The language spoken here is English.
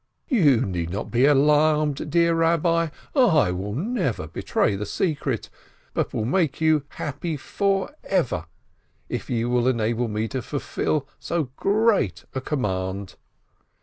"You need not be alarmed, dear Rabbi ! I will never betray the secret, but will make you happy forever, if you will enable me to fulfil so great a command.